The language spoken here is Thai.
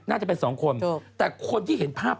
น่าจะเป็นสองคนแต่คนที่เห็นภาพ